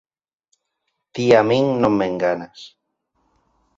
Ti a min non me enganas